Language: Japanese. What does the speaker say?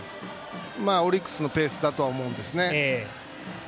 オリックスのペースだとは思うんですね。